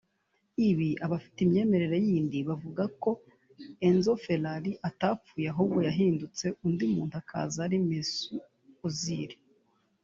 Ibi abafite imyemerere yindi bavuga ko Enzo Ferrari atapfuye ahubwo yahindutse undi umuntu akaza ari Mesut Ozil